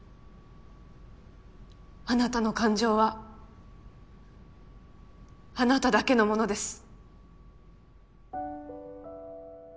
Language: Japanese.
あなたの感情はあなただけのものです。